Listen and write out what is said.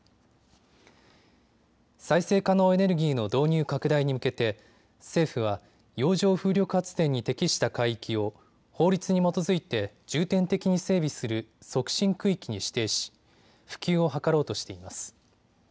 再生可能エネルギーの導入拡大に向けて、政府は洋上風力発電に適した海域を法律に基づいて重点的に整備する促進区域に指定し普及を図ろうとしています。